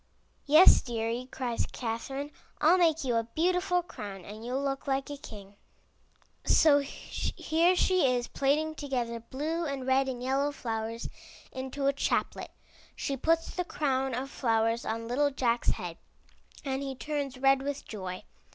Yes, deary/' cries Catherine, ^Tll make you a beautiful crown and you'll look like a king." 332 IN THE NURSERY So here she is plaiting together blue and red and yellow flowers into a chaplet. She puts the crown of flowers on little Jack's head, and he turns red with joy.